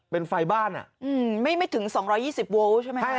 เป็นไฟบ้านไม่ถึง๒๒๐โวลต์ใช่ไหม